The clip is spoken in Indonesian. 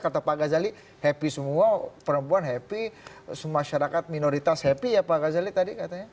kata pak gazali happy semua perempuan happy masyarakat minoritas happy ya pak ghazali tadi katanya